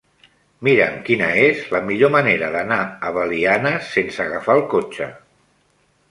Mira'm quina és la millor manera d'anar a Belianes sense agafar el cotxe.